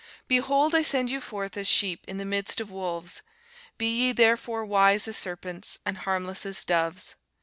Behold, I send you forth as sheep in the midst of wolves: be ye therefore wise as serpents, and harmless as doves.